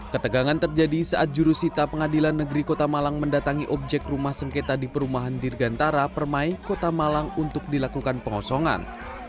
ketegangan terjadi saat jurusita pengadilan negeri kota malang mendatangi objek rumah sengketa di perumahan dirgantara permai kota malang untuk dilakukan pengosongan